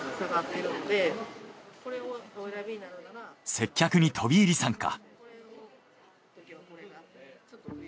接客に飛び入り参加。